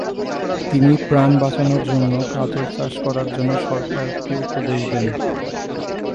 তিনি প্রাণ বাঁচানোর জন্য গাজর চাষ করার জন্য সরকারকে উপদেশ দেন।